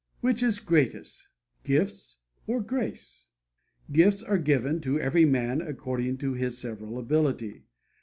Which is greatest, gifts or grace? Gifts are given 'to every man according to his several ability.'